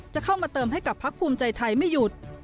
จะเข้ามาเติมให้กับพักภูมิใจไทยไม่หยุด